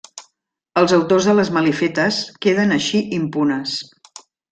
Els autors de les malifetes queden així impunes.